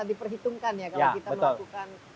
diperhitungkan ya kalau kita melakukan